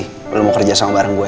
kalau lu mau kerja sama bareng gue